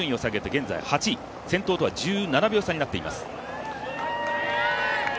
現在８位、先頭とは１７秒差になっています。